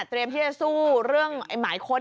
เตรียมที่จะสู้เรื่องไอ้หมายค้น